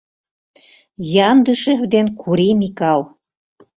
— Яндышев ден Кури Микал.